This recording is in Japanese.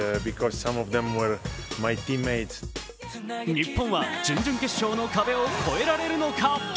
日本は準々決勝の壁を越えられるのか。